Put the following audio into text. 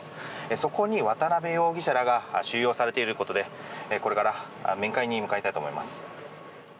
そこに渡邉容疑者らが収容されているということでこれから面会に向かいたいと思います。